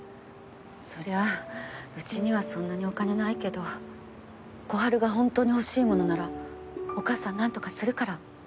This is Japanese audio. そりゃうちにはそんなにお金ないけど心春がホントに欲しいものならお母さん何とかするから。